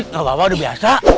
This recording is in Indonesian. gak apa apa udah biasa